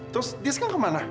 terus dia sekarang kemana